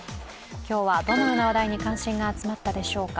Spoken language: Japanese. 今日はどのような話題に関心が集まったのでしょうか。